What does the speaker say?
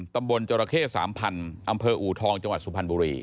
ตำบลจรเขสามพันธุ์อำเภออูทองจังหวัดสุพรณบุรี